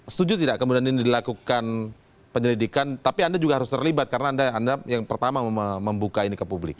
setuju tidak kemudian ini dilakukan penyelidikan tapi anda juga harus terlibat karena anda yang pertama membuka ini ke publik